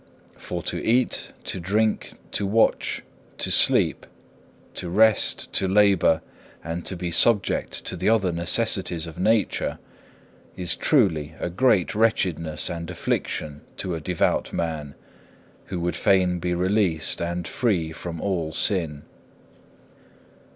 For to eat, to drink, to watch, to sleep, to rest, to labour, and to be subject to the other necessities of nature, is truly a great wretchedness and affliction to a devout man, who would fain be released and free from all sin.